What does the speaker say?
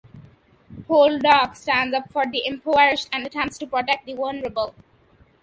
Poldark stands up for the impoverished and attempts to protect the vulnerable.